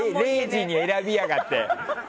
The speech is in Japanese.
０時に選びやがって。